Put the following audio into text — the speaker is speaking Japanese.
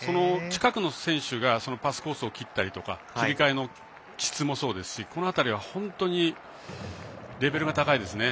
近くの選手がパスコースを切ったりとか切り替えの質もそうですしこの辺りは本当にすばらしいです。